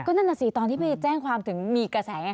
นั่นน่ะสิตอนที่ไปแจ้งความถึงมีกระแสไง